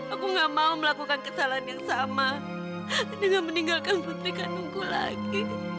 aku gak mau melakukan kesalahan yang sama dengan meninggalkan putri kandungku lagi